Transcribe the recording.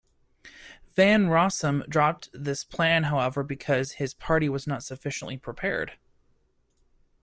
Van Rossem dropped this plan, however, because his party was not sufficiently prepared.